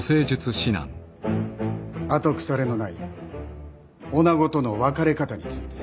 後腐れのない女子との別れ方について。